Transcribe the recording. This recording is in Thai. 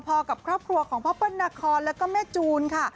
พอกับครอบครัวของพ่อเปิ้ลนาคอนแล้วก็แม่จูนค่ะ